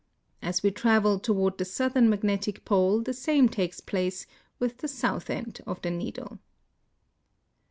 As we travel toward the southern magnetic pole the same takes place with the south end of the, needle.